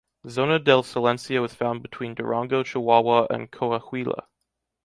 Zona del Silencio is found between Durango, Chihuahua, and Coahuila.